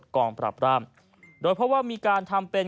กองปราบรามโดยเพราะว่ามีการทำเป็น